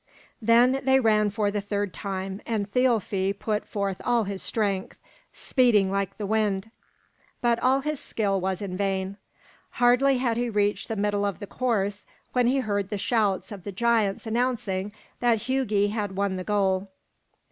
Then they ran for the third time, and Thialfi put forth all his strength, speeding like the wind; but all his skill was in vain. Hardly had he reached the middle of the course when he heard the shouts of the giants announcing that Hugi had won the goal.